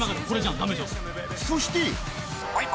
そして。